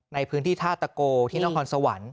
ในพื้นที่ท่าตะโกที่นครสวรรค์